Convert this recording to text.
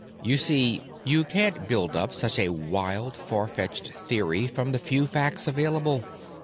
You see, you can't build up such a wild, far fetched theory from the few facts available."